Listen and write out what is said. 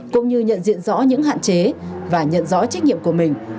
cũng như nhận diện rõ những hạn chế và nhận rõ trách nhiệm của mình